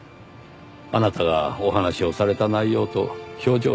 あなたがお話をされた内容と表情で。